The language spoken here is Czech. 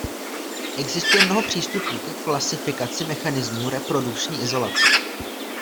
Existuje mnoho přístupů ke klasifikaci mechanismů reprodukční izolace.